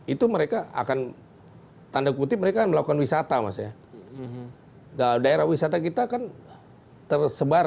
itu mereka akan tanda kutip mereka melakukan wisata masa daerah wisata kita akan tersebar